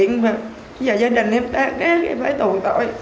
nhưng mà giờ gia đình em tan khác em phải tội tội